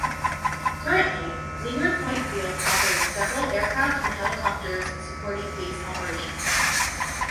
Currently, Leeward Point Field operates several aircraft and helicopters supporting base operations.